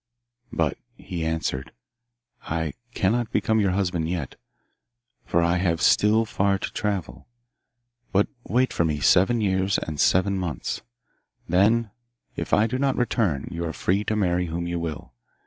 But he answered, 'I cannot become your husband yet, for I have still far to travel. But wait for me seven years and seven months. Then, if I do not return, you are free to marry whom you will.